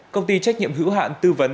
công ty trách nhiệm hữu hạn tư vấn